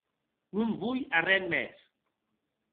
Non voi arren mès.